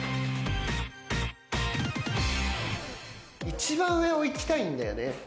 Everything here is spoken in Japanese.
一番上をいきたいんだよね。